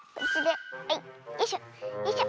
よいしょ。